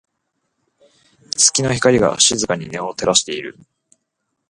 月の光が、静かに庭を照らしている。